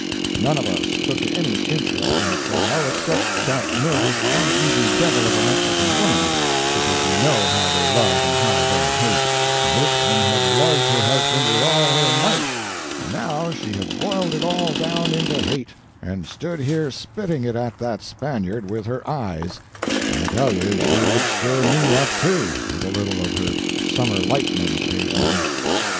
None of us took any interest in the trial except that nervous, uneasy devil of a Mexican woman because you know how they love and how they hate, and this one had loved her husband with all her might, and now she had boiled it all down into hate, and stood here spitting it at that Spaniard with her eyes; and I tell you she would stir me up, too, with a little of her summer lightning, occasionally.